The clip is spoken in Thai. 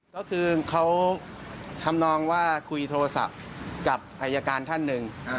ก็คือเขาทำนองว่าคุยโทรศัพท์กับอายการท่านหนึ่ง